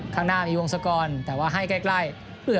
ข้างหน้ามีวงศกรแต่ว่าให้ใกล้